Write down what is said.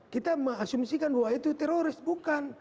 kita mengasumsikan bahwa itu teroris bukan